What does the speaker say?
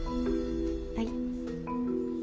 はい？